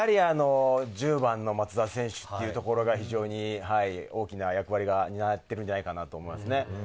１０番の松田選手というところが非常に大きな役割が担っていくんじゃないかなと思います。